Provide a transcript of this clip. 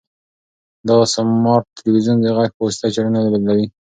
دا سمارټ تلویزیون د غږ په واسطه چینلونه بدلوي.